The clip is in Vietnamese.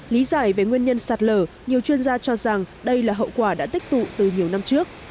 lý giải về nguyên nhân sạt lở nhiều chuyên gia cho rằng đây là hậu quả đã tích tụ từ nhiều năm trước